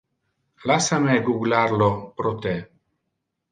Lassa me googlar lo pro te.